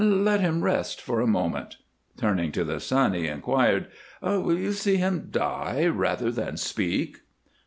"Let him rest for a moment." Turning to the son he inquired, "Will you see him die rather than speak?"